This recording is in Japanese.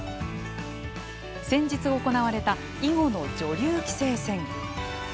先日行われた囲碁の女流棋聖戦。